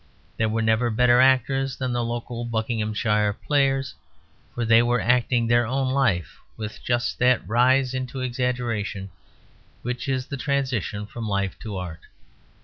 There were never better actors than the local Buckinghamshire Players: for they were acting their own life with just that rise into exaggeration which is the transition from life to art.